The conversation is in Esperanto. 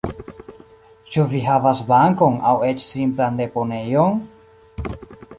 Ĉu vi havas bankon aŭ eĉ simplan deponejon?